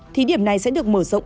thì điểm này sẽ được mở rộng